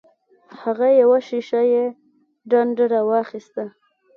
هغه یوه شیشه یي ډنډه راواخیسته.